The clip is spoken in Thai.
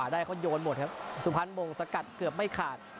ได้เขาโยนหมดครับสุพรรณมงสกัดเกือบไม่ขาด